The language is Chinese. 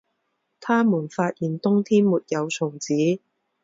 他们发现冬天没有虫子